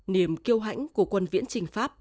niềm kêu hãnh của quân viễn trình pháp